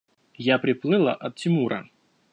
– Я приплыла от Тимура.